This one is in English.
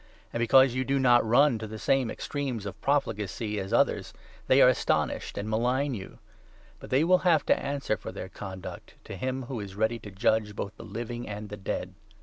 And, because you do not run to the same 4 extremes of profligacy as others, they are astonished, and malign you. But they will have to answer for their conduct 5 to him who is ready to judge both the living and the dead.